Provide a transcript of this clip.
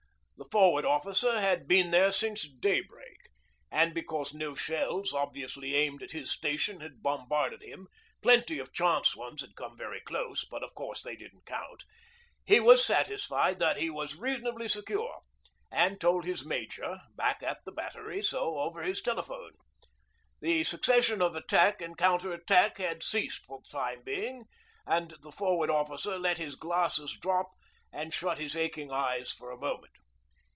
The Forward Officer had been there since daybreak, and because no shells obviously aimed at his station had bombarded him plenty of chance ones had come very close, but of course they didn't count he was satisfied that he was reasonably secure, and told his Major back at the Battery so over his telephone. The succession of attack and counter attack had ceased for the time being, and the Forward Officer let his glasses drop and shut his aching eyes for a moment.